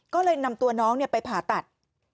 ก็เลยนำตัวน้องไปผ่าตัด